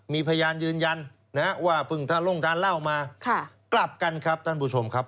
๓มีพยานยืนยันปรึ่งท่านร่วงล้านเล่ามา